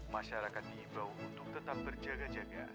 masyarakat diimbau untuk tetap berjaga jaga